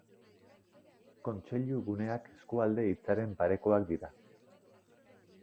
Kontseilu guneak eskualde hitzaren parekoak dira.